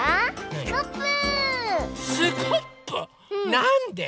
なんで？